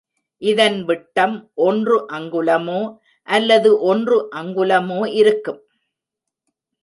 இதன் விட்டம் ஒன்று அங்குலமோ அல்லது ஒன்று அங்குலமோ இருக்கும்.